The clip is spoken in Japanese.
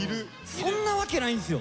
そんなわけないんすよ！